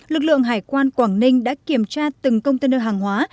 lực lượng hải quan quảng ninh đã kiểm tra từng công tên nơi hàng hóa